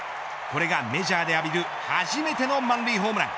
これがメジャーで浴びる初めての満塁ホームラン。